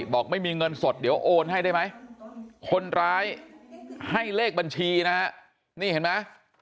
บอกไม่มีเงินสดเดี๋ยวโอนให้ได้ไหมคนร้ายให้เลขบัญชีนะฮะนี่เห็นไหม